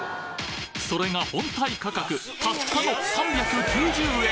それが本体価格たったの３９０円！